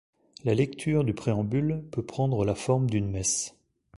La lecture du préambule peut prendre la forme d'une messe.